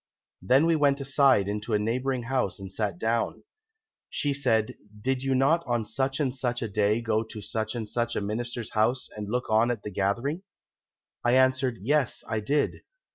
Then we went aside into a neighbouring house and sat down. She said, 'Did you not on such and such a day go to such and such a Minister's house and look on at the gathering?' I answered, 'Yes, I did.'